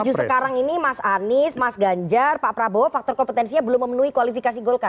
jadi yang maju sekarang ini mas anies mas ganjar pak prabowo faktor kompetensinya belum memenuhi kualifikasi golkar